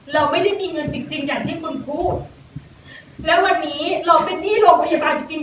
เราไม่ได้มีเงินจริงจริงอย่างที่คุณพูดแล้ววันนี้เราเป็นหนี้โรงพยาบาลจริงจริง